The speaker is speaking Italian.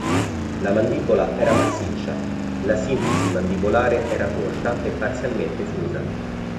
La mandibola era massiccia; la sinfisi mandibolare era corta e parzialmente fusa.